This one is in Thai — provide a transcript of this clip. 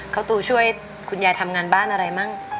ข้าวตูช่วยคุณยายทำงานบ้านอะไรมั่ง